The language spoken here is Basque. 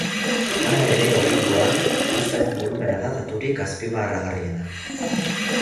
Hala ere, oraingoan, uztaren bolumena da daturik azpimarragarriena.